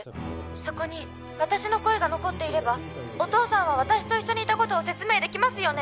☎そこに私の声が残っていれば☎お父さんは私と一緒にいたことを説明できますよね？